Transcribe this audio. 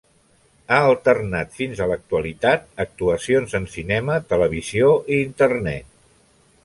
Ha alternat fins a l'actualitat actuacions en cinema, televisió i internet.